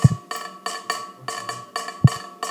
ترينکوټ هوايي ډګر دى